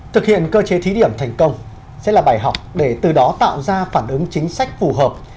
thực hiện cơ chế thí điểm thành công sẽ là bài học để từ đó tạo ra phản ứng chính sách phù hợp